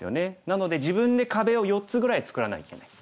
なので自分で壁を４つぐらい作らなきゃいけない。